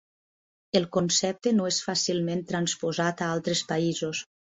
El concepte no és fàcilment transposat a altres països.